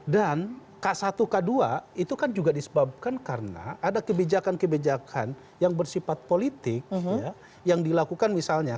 dan k satu k dua itu kan juga disebabkan karena ada kebijakan kebijakan yang bersifat politik yang dilakukan misalnya